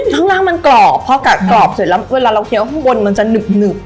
ข้างล่างมันกรอบพอกัดกรอบเสร็จแล้วเวลาเราเคี้ยวข้างบนมันจะหนึบ